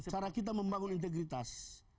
cara kita membangun integritas